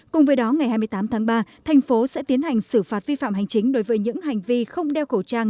cùng với đó ngày hai mươi tám tháng ba thành phố sẽ tiến hành xử phạt vi phạm hành chính đối với những hành vi không đeo khẩu trang